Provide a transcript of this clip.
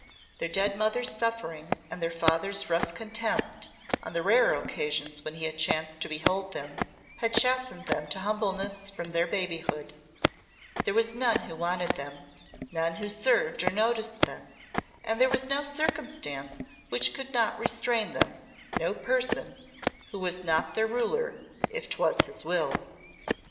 Their dead mother's suffering and their father's rough contempt on the rare occasions when he had chanced to behold them had chastened them to humbleness from their babyhood. There was none who wanted them, none who served or noticed them, and there was no circumstance which could not restrain them, no person who was not their ruler if 'twas his will.